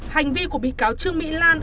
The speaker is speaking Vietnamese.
hành vi của bị cáo trương mỹ lan